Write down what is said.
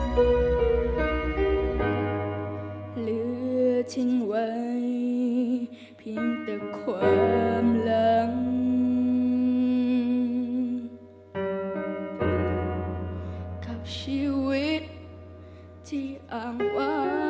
แคว้งคว้างเลือกอยู่กับกับลูกตา